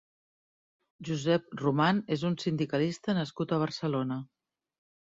Josep Roman és un sindicalista nascut a Barcelona.